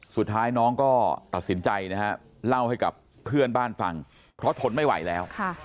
สุดท้ายน้องก็ตัดสินใจนะฮะเล่าให้กับเพื่อนบ้านฟังเพราะทนไม่ไหวแล้ว